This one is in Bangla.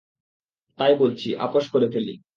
তাই বলছি, আপোস করে ফেলি।